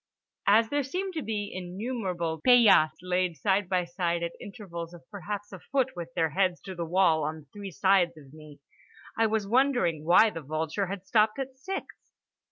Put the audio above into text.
As there seemed to be innumerable paillasses, laid side by side at intervals of perhaps a foot with their heads to the wall on three sides of me, I was wondering why the vulture had stopped at six.